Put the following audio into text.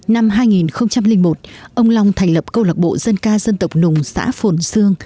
năm hai nghìn một ông long thành lập câu lạc bộ dân ca dân tộc nùng xã phồn xương